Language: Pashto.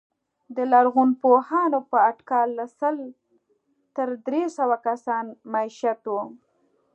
د لرغونپوهانو په اټکل له سل تر درې سوه کسان مېشت وو.